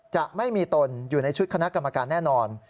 จะไม่มีตนอยู่ในชุดคณะกรรมการแน่นอน